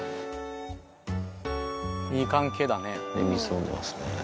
いい関係だね。